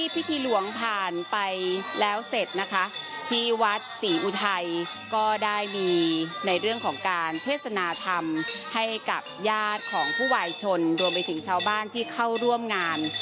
พวกคือผู้ว่ายชนรวมไปถึงชาวบ้านที่เข้าร่วมงาน